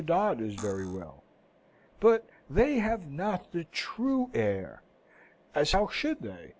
Dodd is very well; but they have not the true air as how should they?